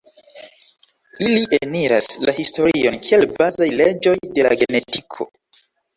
Ili eniras la historion kiel bazaj leĝoj de la genetiko.